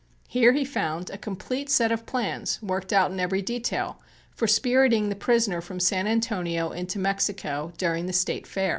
Here he found a complete set of plans worked out in every detail for spiriting the prisoner from San Antonio into Mexico during the State Fair.